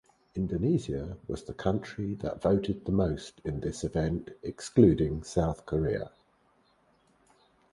Indonesia was the country that voted the most in this event excluding South Korea.